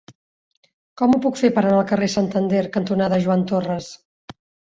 Com ho puc fer per anar al carrer Santander cantonada Joan Torras?